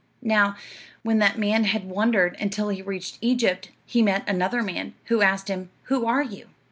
"Now, when that man had wandered until he reached Egypt, he met another man, who asked him, 'Who are you?'